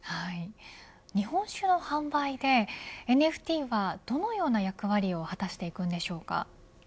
日本酒の販売でＮＦＴは、どのような役割を果たしていくのでしょうか。